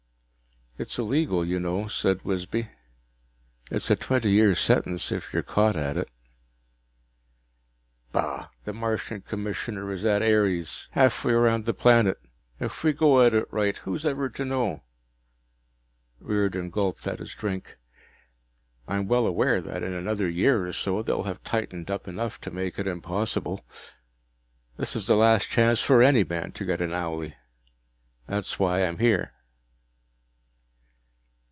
"It's illegal, you know," said Wisby. "It's a twenty year sentence if you're caught at it." "Bah! The Martian Commissioner is at Ares, halfway round the planet. If we go at it right, who's ever to know?" Riordan gulped at his drink. "I'm well aware that in another year or so they'll have tightened up enough to make it impossible. This is the last chance for any man to get an owlie. That's why I'm here."